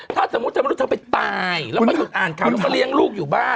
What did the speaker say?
ถ้าสมมุติเธอเป็นคนที่ตายแล้วไปถูกอ่านข่าวแล้วก็เลี้ยงลูกอยู่บ้าน